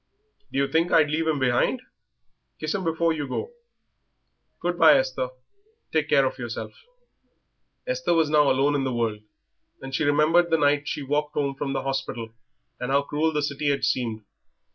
"Do you think I'd leave him behind? Kiss 'im before you go." "Good bye, Esther; take care of yourself." Esther was now alone in the world, and she remembered the night she walked home from the hospital and how cruel the city had seemed.